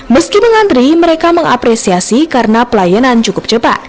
meski mengantri mereka mengapresiasi karena pelayanan cukup cepat